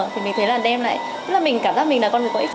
thì mình thấy là đem lại tức là cảm giác mình là con người có ích